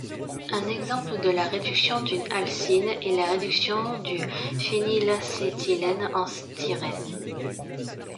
Un exemple de la réduction d'une alcyne est la réduction du phénylacétylène en styrène.